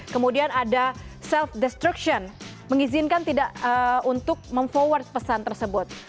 kemudian ada self destruction mengizinkan tidak untuk memfoward pesan tersebut